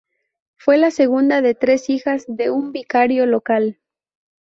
Fue la segunda de tres hijas de un vicario local.